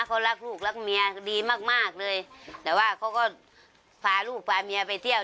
เขารักลูกรักเมียดีมากมากเลยแต่ว่าเขาก็พาลูกพาเมียไปเที่ยว